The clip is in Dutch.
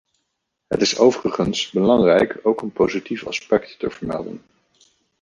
Het is overigens belangrijk ook een positief aspect te vermelden.